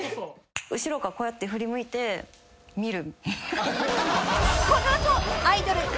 後ろからこうやって振り向いて見る。